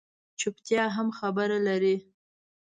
چُپتیا هم خبره لري